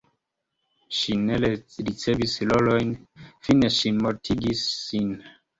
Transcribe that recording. Ŝi ne ricevis rolojn, fine ŝi mortigis sin.